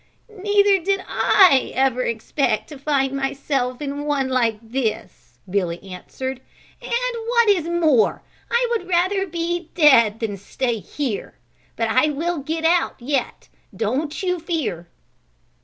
"Neither did I ever expect to find myself in one like this," Billy answered, "and what is more, I would rather be dead than stay here. But I will get out yet, don't you fear."